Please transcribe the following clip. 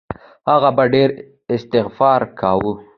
هغه به ډېر استغفار کاوه.